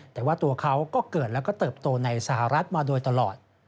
แต่ว่าตัวเขาก็เกิดแล้วก็เติบโตในสหรัฐมาโดยตลอด